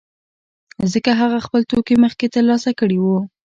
ځکه هغه خپل توکي مخکې ترلاسه کړي وو